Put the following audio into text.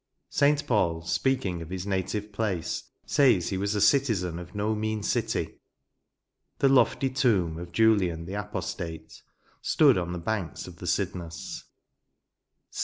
St. Paul, speaking of his native place, says he was a citizen of no mean dty.'' The lofty tomb of Julian, the apostate, stood on the banks of the Cydnus.